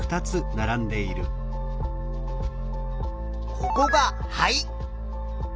ここが肺。